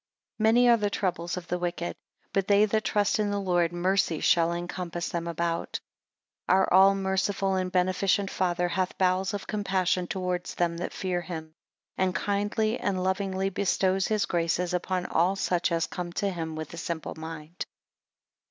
8 Many are the troubles of the wicked; but they that trust in the Lord mercy shall encompass them about. 9 Our all merciful and beneficent Father hath bowels of compassion towards them that fear him: and kindly and lovingly bestows his graces upon all such as come to him with a simple mind.